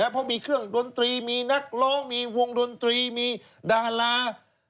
เพราะมีเครื่องดนตรีมีนักร้องมีวงดนตรีมีดารา